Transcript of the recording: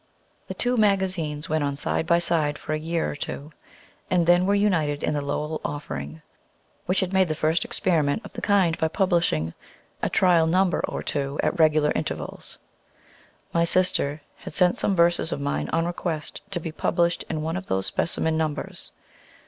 The two magazines went on side by side for a year or two, and then were united in the "Lowell Offering" which had made the first experiment of the kind by publishing a trial number or two at irregular intervals. My sister had sent some verses of mine, on request, to be published in one of those specimen numbers.